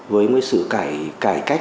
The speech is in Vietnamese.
với sự cải cách